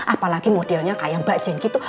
apalagi modelnya kayak mbak jen gitu